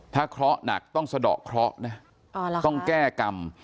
ถ้าเคราะห์หนักต้องสะดอกเคราะห์นะต้องแก้กรรม